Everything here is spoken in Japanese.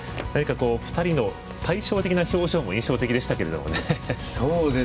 ２人の対照的な表情も印象的でしたけれどもね。